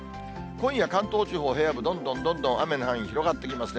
今夜、関東地方平野部、どんどんどんどん雨の範囲広がってきますね。